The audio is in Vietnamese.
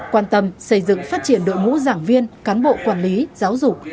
quan tâm xây dựng phát triển đội ngũ giảng viên cán bộ quản lý giáo dục